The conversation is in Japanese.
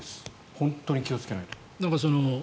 本当に気をつけないと。